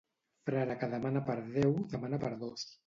Frare que demana per Déu demana per dos.